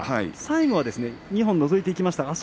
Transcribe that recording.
最後、二本のぞいていきました。